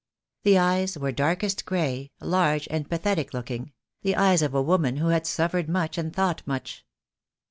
The eyes were darkest grey, large and pathetic looking, the eyes of a woman who had suffered much and thought much.